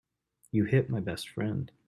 You hit my best friend.